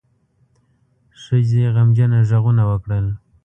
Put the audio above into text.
ښځې غمجنه غږونه وکړل.